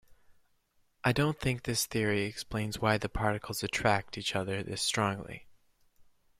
I don't think this theory explains why the particles attract each other this strongly.